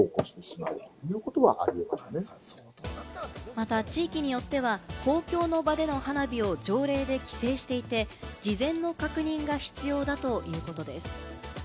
また、地域によっては公共の場での花火を条例で規制していて、事前の確認が必要だということです。